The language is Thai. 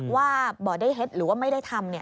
ว่าบ่อได้เท็จหรือว่าไม่ได้ทำ